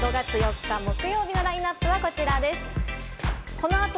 ５月８日木曜日のラインナップはこちらです。